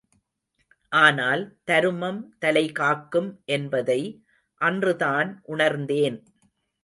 ஆனால் தருமம் தலைகாக்கும் என்பதை அன்றுதான் உணர்ந்தேன்.